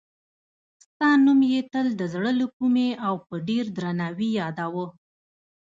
ستا نوم یې تل د زړه له کومې او په ډېر درناوي یادوه.